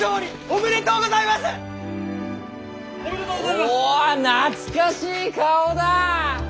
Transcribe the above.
お懐かしい顔だ！